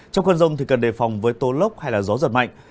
trong khuôn rông thì cần đề phòng với tố lốc hay là gió giật mạnh